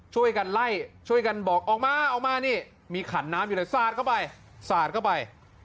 ช่วยกันไล่ช่วยกันบอกออกมาออกมานี่มีขันน้ำอยู่เลยสาดเข้าไปสาดเข้าไป